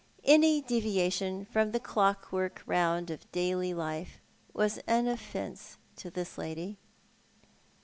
Any deviation from the clockwork round of daily life was an offence to this lady.